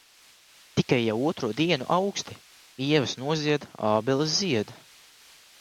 Tikai jau otro dienu auksti. Ievas nozied. Ābeles zied.